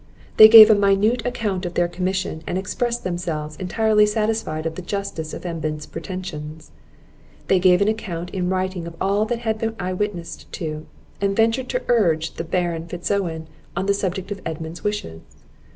They gave a minute account of their commission, and expressed themselves entirely satisfied of the justice of Edmund's pretensions; they gave an account in writing of all that they had been eyewitnesses to, and ventured to urge the Baron Fitz Owen on the subject of Edmund's wishes.